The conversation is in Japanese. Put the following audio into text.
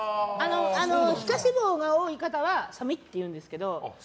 皮下脂肪が多い方は寒いって言うんですけど。